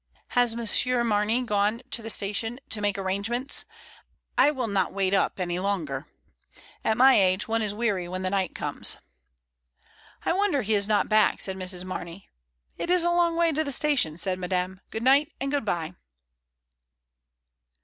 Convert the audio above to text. Has Monsieur Mamey gone to the station to make arrangements? I will not wait up any longer; at my age one is weary when the night comes." 60 MRS. DYMOND. "I wonder he is not back/' said Mrs. Mamey. "It is a long way to the station," said Madame. "Good night and good bye."